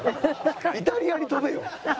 イタリアに飛べよ！